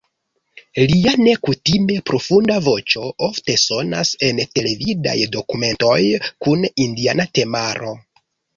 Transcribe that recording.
Lia nekutime profunda voĉo ofte sonas en televidaj dokumentoj kun indiana temaro.